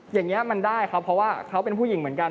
อย่างนี้มันได้ครับเพราะว่าเขาเป็นผู้หญิงเหมือนกัน